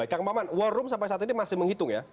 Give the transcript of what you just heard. kang maman war room sampai saat ini masih menghitung ya